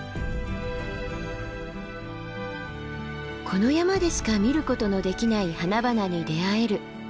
この山でしか見ることのできない花々に出会える早池峰山です。